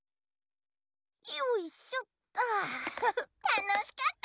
よいしょっ。